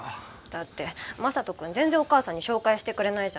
だって正門君全然お母さんに紹介してくれないじゃん。